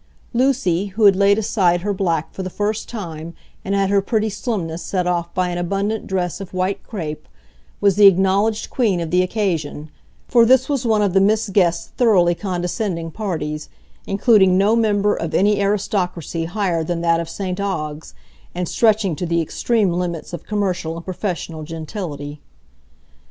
Lucy, who had laid aside her black for the first time, and had her pretty slimness set off by an abundant dress of white crape, was the acknowledged queen of the occasion; for this was one of the Miss Guests' thoroughly condescending parties, including no member of any aristocracy higher than that of St Ogg's, and stretching to the extreme limits of commercial and professional gentility.